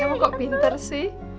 kamu kok pinter sih